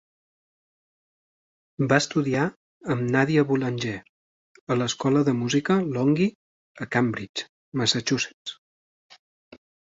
Va estudiar amb Nadia Boulanger a l'Escola de Música Longy a Cambridge, Massachusetts.